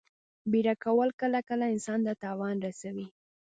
بیړه کول کله کله انسان ته تاوان رسوي.